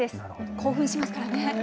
興奮しますからね。